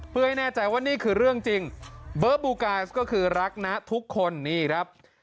เพื่อให้แน่ใจว่านี่คือเรื่องจริงเบอร์บูกายก็คือรักนะทุกคนนี่ครับ